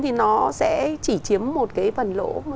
thì nó sẽ chỉ chiếm một cái phần lỗ